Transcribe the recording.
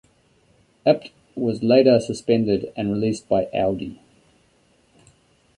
Abt was later suspended and released by Audi.